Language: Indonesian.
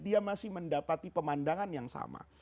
dia masih mendapati pemandangan yang sama